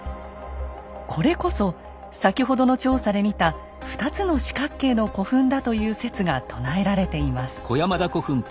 これこそ先ほどの調査で見た２つの四角形の古墳だという説が唱えられています。